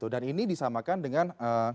dan ini disamakan dengan